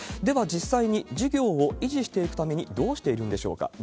では、実際に事業を維持していくためにどうしているんでしょうか。